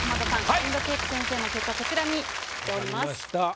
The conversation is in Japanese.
エンドケイプ先生の結果こちらに来ております。